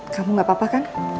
kamu gak apa apa kan